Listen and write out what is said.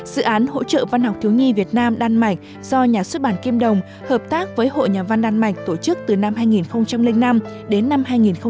dự án hỗ trợ văn học thiếu nhi việt nam đan mạch do nhà xuất bản kim đồng hợp tác với hội nhà văn đan mạch tổ chức từ năm hai nghìn năm đến năm hai nghìn một mươi